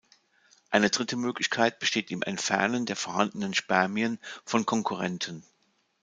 Eine dritte Möglichkeit besteht im Entfernen der vorhandenen Spermien von Konkurrenten.